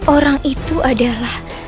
orang itu adalah